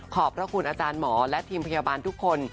ขอบพระคุณอาจารย์หมอและทีมพยาบาลทุกคน